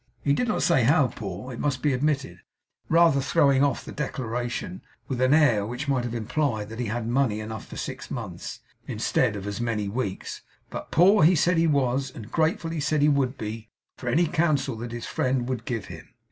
He did not say how poor, it must be admitted, rather throwing off the declaration with an air which might have implied that he had money enough for six months, instead of as many weeks; but poor he said he was, and grateful he said he would be, for any counsel that his friend would give him.